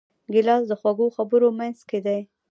ګیلاس د خوږو خبرو منځکۍ دی.